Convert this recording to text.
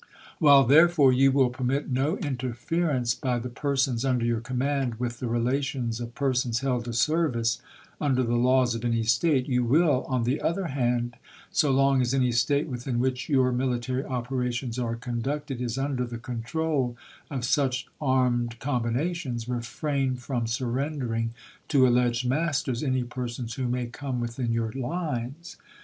While, therefore, you will permit no interference by the persons under your command with the relations of persons held to service under the laws of any State, you will, on the other hand, so long as any State within which your military operations are conducted is under the control of such armed com binations, refrain from surrendering to alleged masters any persons who may come within your lines.